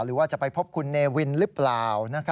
หรือว่าจะไปพบคุณเนวินหรือเปล่า